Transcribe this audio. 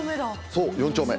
そう４丁目。